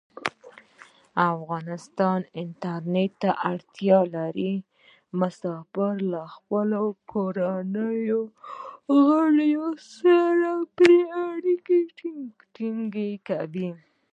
افغانستان انټرنیټ ته اړتیا لري. مسافر له خپلو کورنیو غړو سره پری اړیکې ټینګوی.